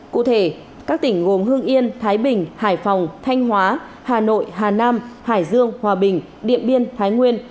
cụ thể các tỉnh gồm hương yên thái bình hải phòng thanh hóa hà nội hà nam hải dương hòa bình điện biên thái nguyên